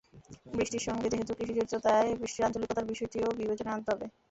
বৃষ্টির সঙ্গে যেহেতু কৃষি জড়িত, তাই বৃষ্টির আঞ্চলিকতার বিষয়টিও বিবেচনায় আনতে হবে।